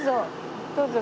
どうぞ。